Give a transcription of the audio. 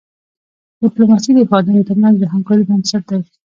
ډيپلوماسي د هیوادونو ترمنځ د همکاری بنسټ دی.